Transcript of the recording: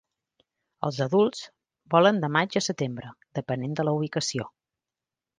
Els adults volen de maig a setembre, depenent de la ubicació.